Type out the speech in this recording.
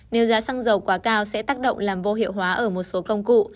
nếu giá xăng dầu quá cao sẽ tác động làm vô hiệu hóa ở một số công cụ